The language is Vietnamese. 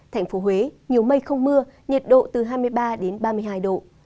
thành phố huế nhiều mây không mưa nhiệt độ từ hai mươi ba đến ba mươi hai độ